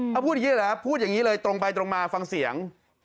เอาพูดอย่างนี้เหรอพูดอย่างนี้เลยตรงไปตรงมาฟังเสียง